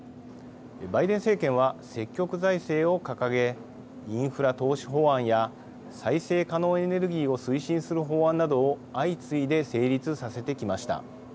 バイデン政権は積極財政を掲げインフラ投資法案や再生可能エネルギーを推進する法案などを相次いで成立させてきました。